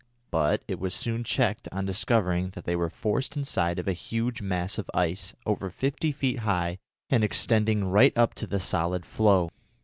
But it was soon checked on discovering that they were forced inside of a huge mass of ice over fifty feet high and extending right up to the solid floe.